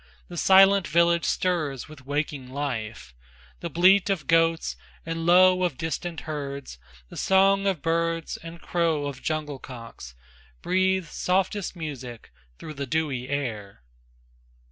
The silent village stirs with waking life, The bleat of goats and low of distant herds, The song of birds and crow of jungle cocks Breathe softest music through the dewy air.